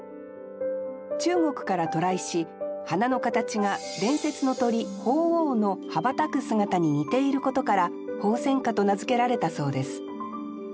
中国から渡来し花の形が伝説の鳥鳳凰の羽ばたく姿に似ていることから鳳仙花と名付けられたそうです。